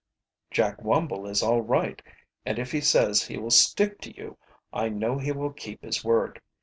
"Jack Wumble is all right, and if he says he will stick to you I know he will keep his word.